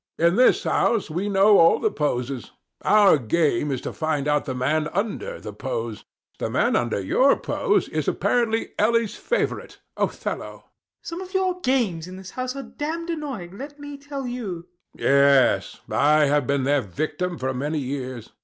In this house we know all the poses: our game is to find out the man under the pose. The man under your pose is apparently Ellie's favorite, Othello. RANDALL. Some of your games in this house are damned annoying, let me tell you. HECTOR. Yes: I have been their victim for many years.